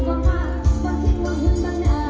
เวลาที่สุดท้าย